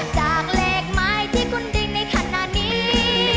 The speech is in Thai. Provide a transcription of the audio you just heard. จากเลขหมายที่คุณเรียนในขณะนี้